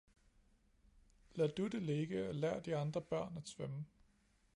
Lad du det ligge og lær de andre børn at svømme